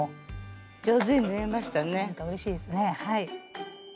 なんかうれしいですねはい。